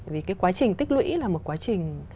vì cái quá trình tích lũy là một quá trình